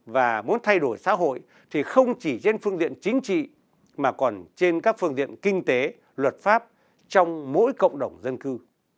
và muốn thay đổi xã hội thì không chỉ trên phương diện chính trị mà còn trên các phương diện kinh tế luật pháp trong mỗi cộng đồng dân cư